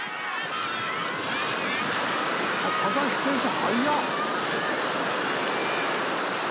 田崎選手速っ。